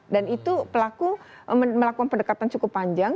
dan itu pelaku melakukan pendekatan cukup panjang